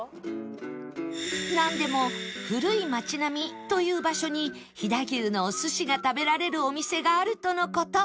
なんでも古い町並という場所に飛騨牛のお寿司が食べられるお店があるとの事